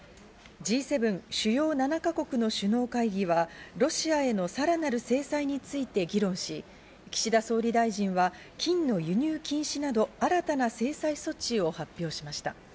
Ｇ７＝主要７か国の首脳会議はロシアへのさらなる制裁について議論し、岸田総理大臣は金の輸入禁止など新たな制裁措置を発表しました。